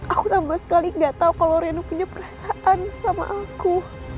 aku sama sekali gak tau kalo reno punya perasaan sama aku